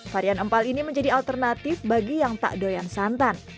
varian empal ini menjadi alternatif bagi yang tak doyan santan